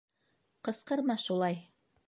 Ҡысҡырма шулай!